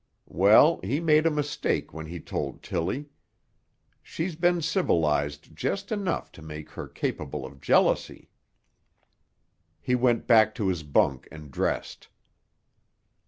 Well, he made a mistake when he told Tilly. She's been civilised just enough to make her capable of jealousy." He went back to his bunk and dressed.